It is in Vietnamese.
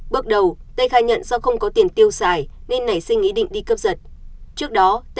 bước đầu t khai nhận do không có tiền tiêu xài nên nảy sinh ý định đi cấp giật